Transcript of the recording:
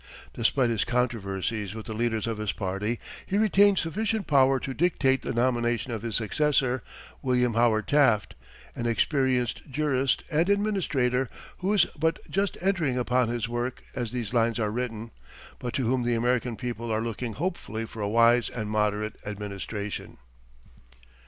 Despite his controversies with the leaders of his party, he retained sufficient power to dictate the nomination of his successor, William Howard Taft, an experienced jurist and administrator, who is but just entering upon his work as these lines are written, but to whom the American people are looking hopefully for a wise and moderate administration.